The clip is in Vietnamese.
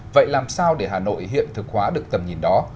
vậy làm sao để hà nội hiện thực hóa được tầm nhìn đó